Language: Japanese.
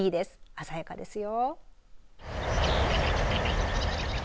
鮮やかですよ。